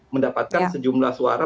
mendapatkan sejumlah suara